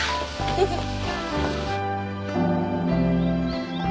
フフッ。